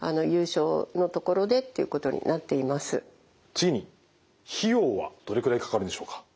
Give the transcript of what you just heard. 次に費用はどれくらいかかるんでしょうか？